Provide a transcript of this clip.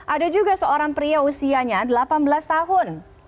ada juga seorang pria usianya delapan belas tahun